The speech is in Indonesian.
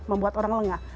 membuat orang lengah